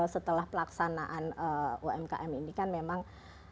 setelah pelaksanaan umkm ini kan memang